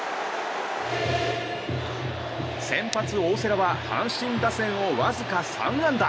先発、大瀬良は阪神打線をわずか３安打。